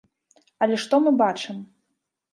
Але што мы бачым?